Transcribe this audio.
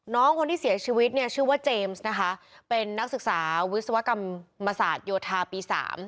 น้องคนที่เสียชีวิตเนี่ยชื่อว่าเจมส์นะคะเป็นนักศึกษาวิศวกรรมศาสตร์โยธาปี๓